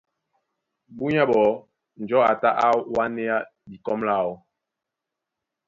Búnyá ɓɔɔ́ njɔ̌ a tá á wánéá dikɔ́m láō.